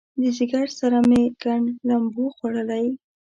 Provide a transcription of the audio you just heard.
د ځیګر سره مې ګنډ لمبو خوړلی